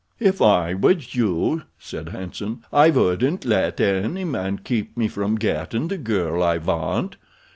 "If I was you," said Hanson, "I wouldn't let any man keep me from gettin' the girl I want.